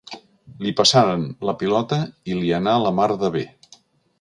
Li passaren la pilota i li anà la mar de bé.